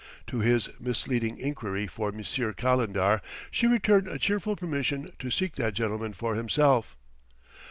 To his misleading inquiry for Monsieur Calendar she returned a cheerful permission to seek that gentleman for himself.